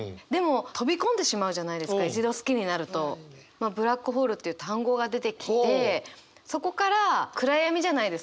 まあ「ブラックホール」っていう単語が出てきてそこから暗闇じゃないですか。